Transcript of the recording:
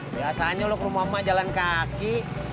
biasanya lo ke rumah mama jalan kaki